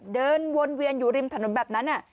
เดินวนเวียนอยู่ริมถนนแบบนั้น